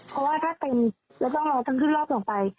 เพราะว่าก็ต้องรอขึ้นรอบลงไป